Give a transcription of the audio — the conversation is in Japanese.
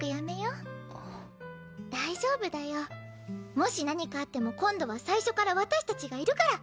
もし何かあっても今度は最初から私たちがいるから。